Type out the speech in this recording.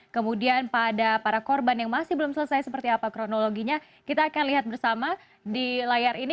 kemudian pada para korban yang masih belum selesai seperti apa kronologinya kita akan lihat bersama di layar ini